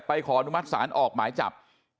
ขออนุมัติศาลออกหมายจับ